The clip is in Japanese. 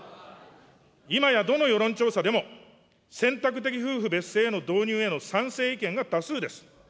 今やどの世論調査でも、選択的夫婦別姓への導入への賛成意見が多数です。